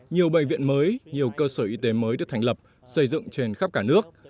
nhiều bệnh viện mới nhiều cơ sở y tế mới được thành lập xây dựng trên khắp cả nước